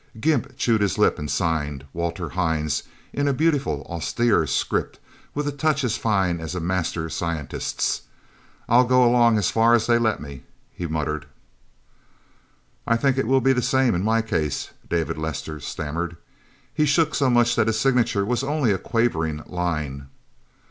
Gimp chewed his lip, and signed, "Walter Hines," in a beautiful, austere script, with a touch as fine as a master scientist's. "I'll go along as far as they let me," he muttered. "I think it will be the same in my case," David Lester stammered. He shook so much that his signature was only a quavering line.